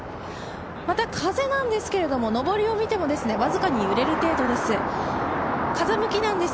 また風なんですけれどものぼりを見ても僅かに揺れる程度です。